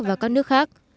và các nước khác